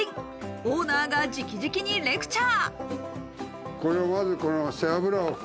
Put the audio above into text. オーナーが直々にレクチャー。